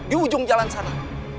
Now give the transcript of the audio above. di ujung jalan sana